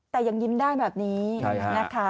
แต่ยังยิ้มได้แบบนี้นะคะ